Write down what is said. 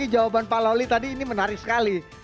jawaban pak lawli tadi ini menarik sekali